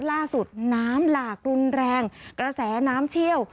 น้ำหลากรุนแรงกระแสน้ำเชี่ยว